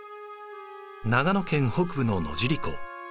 長野県北部の野尻湖。